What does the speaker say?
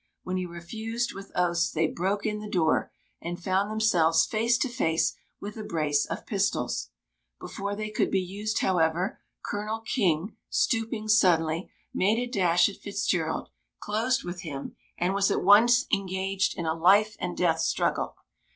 When he refused with oaths, they broke in the door and found themselves face to face with a brace of pistols. Before they could be used, however, Colonel King, stooping suddenly, made a dash at Fitzgerald, closed with him, and was at once engaged in a life and death struggle.